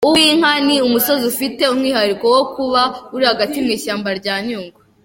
Uwinka ni umusozi ufite umwihariko wo kuba uri hagati mu ishamba rya Nyungwe.